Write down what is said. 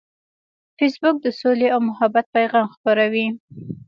فېسبوک د سولې او محبت پیغام خپروي